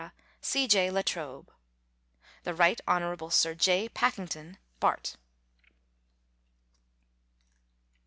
C. J. LA TROBE. The Right Honorable Sir J. Pakington, Bart.